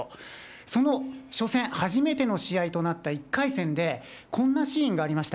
その初戦、初めての試合となった１回戦で、こんなシーンがありました。